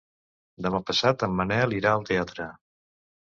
Demà passat en Manel irà al teatre.